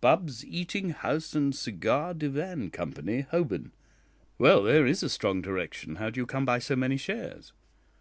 "Bubbs's Eating house and Cigar Divan Company, Holborn. Well, there is a strong direction. How do you come by so many shares?"